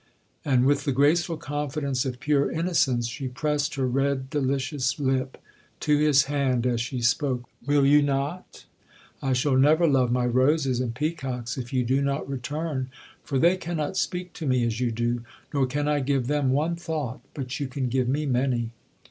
and, with the graceful confidence of pure innocence, she pressed her red delicious lip to his hand as she spoke. 'Will you not? I shall never love my roses and peacocks if you do not return, for they cannot speak to me as you do, nor can I give them one thought, but you can give me many.